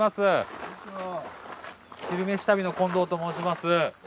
「昼めし旅」のコンドウと申します。